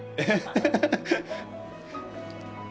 ハハハハ！